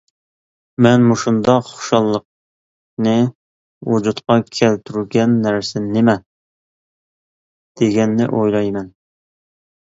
مەن مۇشۇنداق خۇشاللىقنى ۋۇجۇدقا كەلتۈرگەن نەرسە نېمە، دېگەننى ئويلايمەن.